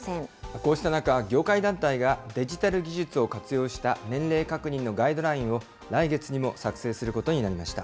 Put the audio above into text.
こうした中、業界団体がデジタル技術を活用した年齢確認のガイドラインを来月にも作成することになりました。